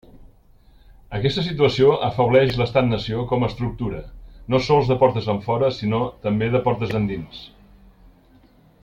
Aquesta situació afebleix l'estat nació com a estructura, no sols de portes enfora sinó també de portes endins.